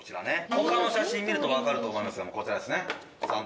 他の写真みるとわかると思いますがこちらですねジャン。